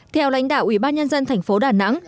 theo lãnh đạo ủy ban nhân dân thành phố đà nẵng